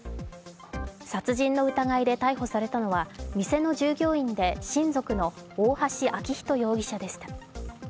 殺人の疑いで逮捕されたのは店の従業員で親族の大橋昭仁容疑者でした。